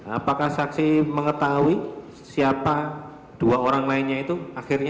apakah saksi mengetahui siapa dua orang lainnya itu akhirnya